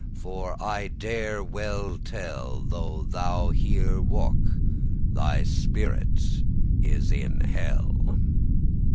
for I dare well tell, Though thou here walk, thy spirit is in hell.